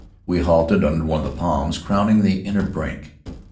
We halted under the palms crowning the inner brink.